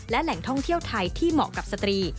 และแหล่งท่องเที่ยวไทยที่เหมาะกับสตรี